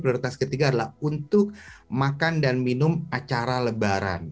prioritas ketiga adalah untuk makan dan minum acara lebaran